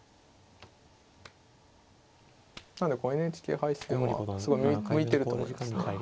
なんでこうＮＨＫ杯戦はすごい向いてると思いますね。